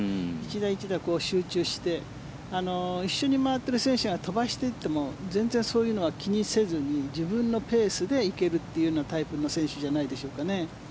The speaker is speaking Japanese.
１打１打集中して一緒に回っている選手が飛ばしていっても全然そういうのは気にせずに自分のペースで行けるというタイプの選手じゃないでしょうか。